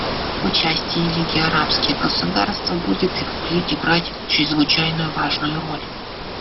Участие Лиги арабских государств будет и впредь играть чрезвычайно важную роль.